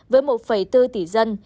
với một bốn tỷ dân